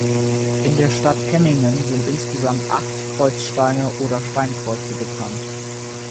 In der Stadt Hemmingen sind insgesamt acht Kreuzsteine oder Steinkreuze bekannt.